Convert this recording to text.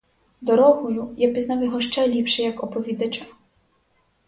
Дорогою я пізнав його ще ліпше як оповідача.